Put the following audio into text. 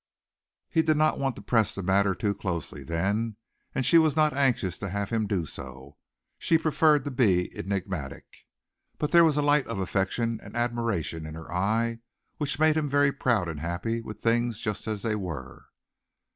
He did not want to press the matter too closely then and she was not anxious to have him do so she preferred to be enigmatic. But there was a light of affection and admiration in her eye which made him very proud and happy with things just as they were.